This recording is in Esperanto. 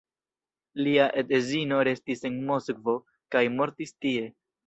Lia edzino restis en Moskvo kaj mortis tie.